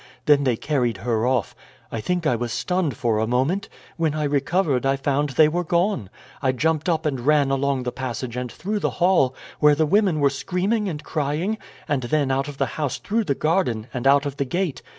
Then they carried her off. I think I was stunned for a moment. When I recovered I found they were gone. I jumped up and ran along the passage and through the hall, where the women were screaming and crying, and then out of the house through the garden, and out of the gate.